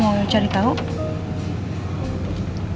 masih gak bisa mencari rendy sama riki